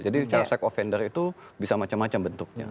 jadi child sex offender itu bisa macam macam bentuknya